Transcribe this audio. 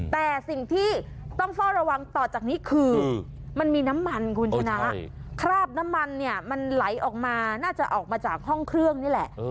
แต่สิ่งที่ต้องเฝ้าระวังต่อจากนี้คือมันมีน้ำมันคุณชนะคราบน้ำมันเนี่ยมันไหลออกมาน่าจะออกมาจากห้องเครื่องนี่แหละ